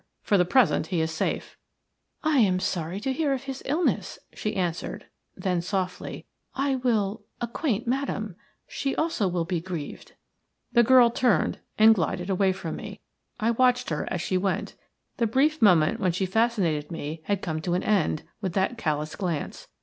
For the present he is safe." "I am sorry to hear of his illness," she answered then, softly. "I will – acquaint Madame. She also will be grieved." "'I AM SORRY TO HEAR OF HIS ILLNESS,' SHE ANSWERED." The girl turned and glided away from me. I watched her as she went. The brief moment when she fascinated me had come to an end with that callous glance.